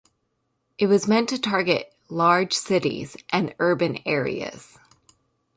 It was meant to target large cities and urban areas.